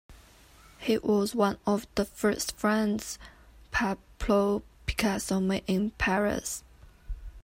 He was one of the first friends Pablo Picasso made in Paris.